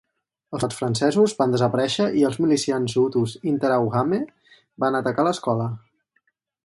Els soldats francesos van desaparèixer i els milicians hutus interahamwe van atacar l'escola.